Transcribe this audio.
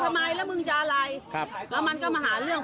ทำไมแล้วมึงจะอะไรครับแล้วมันก็มาหาเรื่อง